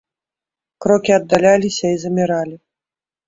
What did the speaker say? Крокі аддаляліся і заміралі.